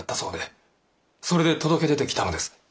それで届け出てきたのです。